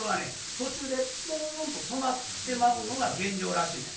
途中でポーンと止まってまうのが現状らしいねん。